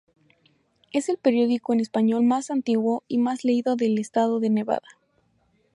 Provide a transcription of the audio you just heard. Es el periódico en español más antiguo y más leído del Estado de Nevada.